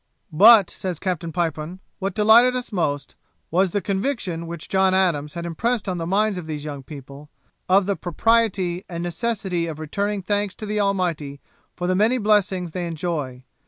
'But,' says Captain Pipon, 'what delighted us most, was the conviction which John Adams had impressed on the minds of these young people, of the propriety and necessity of returning thanks to the Almighty for the many blessings they enjoy.